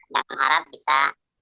dan mengharap bisa